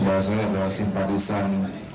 bahwa saya adalah simpatisan